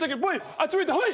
あっち向いてホイ。